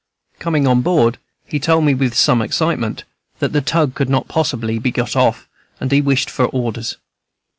Coming on board, he told me with some excitement that the tug could not possibly be got off, and he wished for orders.